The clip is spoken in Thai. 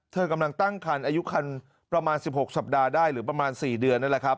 เธอกำลังตั้งครรภ์อายุครรภ์ประมาณสิบหกศัพท์ดาวได้หรือประมาณสี่เดือนนั่นแหละครับ